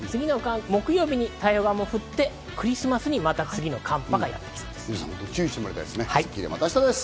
木曜日に太平洋側も降ってクリスマスに次の寒波がやってきそうで『スッキリ』、また明日です。